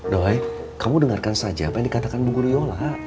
dohay kamu dengarkan saja apa yang dikatakan bu guru yola